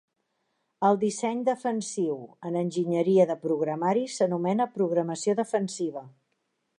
El disseny defensiu en enginyeria de programari s'anomena programació defensiva.